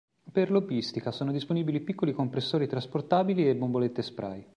Per l'hobbystica sono disponibili piccoli compressori trasportabili e bombolette spray.